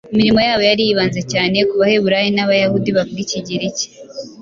Imirimo yabo yari yibanze cyane cyane ku Baheburayo n’Abayahudi bavuga ikigiriki.